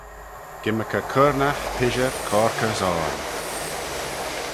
Gymmyrkey curnaght, pishyr, corkey's, oarn.